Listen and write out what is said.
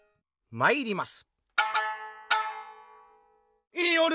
まいります。